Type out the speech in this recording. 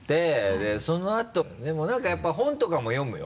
でそのあとでも何かやっぱ本とかも読むよ。